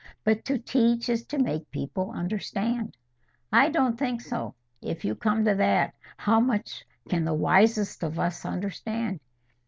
"But to teach is to make people understand." "I don't think so. If you come to that, how much can the wisest of us understand?